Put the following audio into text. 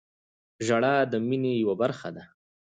• ژړا د مینې یوه برخه ده.